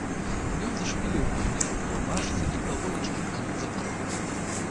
Ён зашпіліў каўнер у рубашцы і паволі чыркануў запалкаю.